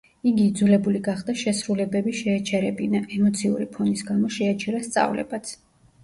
იგი იძულებული გახდა შესრულებები შეეჩერებინა; ემოციური ფონის გამო შეაჩერა სწავლებაც.